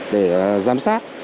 để giám sát